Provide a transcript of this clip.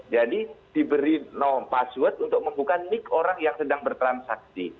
jadi diberi password untuk membuka nick orang yang sedang bertransaksi